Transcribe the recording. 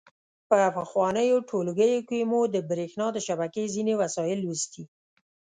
په پخوانیو ټولګیو کې مو د برېښنا د شبکې ځینې وسایل لوستي.